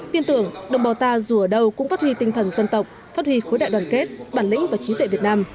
tin tưởng đồng bào ta dù ở đâu cũng phát huy tinh thần dân tộc phát huy khối đại đoàn kết bản lĩnh và trí tuệ việt nam